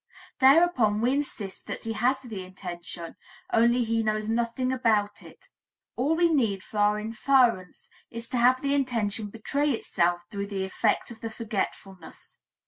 Thereupon we insist that he has the intention, only he knows nothing about it; all we need for our inference is to have the intention betray itself through the effect of the forgetfulness.